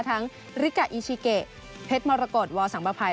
ริกะอีชิเกะเพชรมรกฏวอสังประภัย